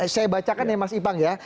saya bacakan ya mas ipang ya